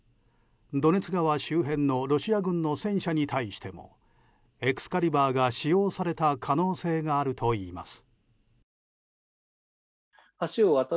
ドネツ川周辺のロシア軍の戦車に対してもエクスカリバーが使用された可能性があるといいます。